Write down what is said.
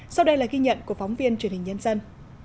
sau đây là ghi nhận của phóng viên truyền hình nhân dân